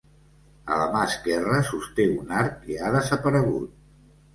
A la mà esquerra sosté un arc, que ha desaparegut.